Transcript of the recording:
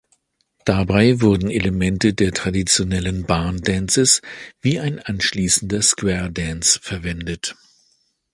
Dabei wurden Elemente der traditionellen Barn Dances wie ein anschließender Square Dance verwendet.